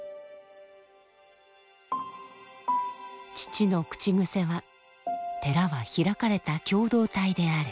父の口癖は「寺は開かれた共同体であれ」。